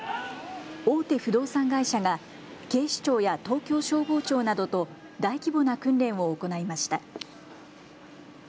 大手不動産会社が警視庁や東京消防庁などと大規模な訓練を行いました。